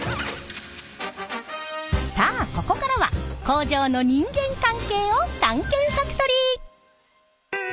さあここからは工場の人間関係を探検ファクトリー！